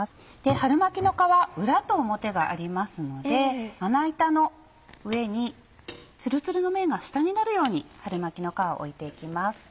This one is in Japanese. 春巻きの皮裏と表がありますのでまな板の上にツルツルの面が下になるように春巻きの皮を置いて行きます。